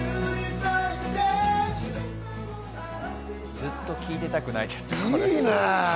ずっと聴いていたくないですか？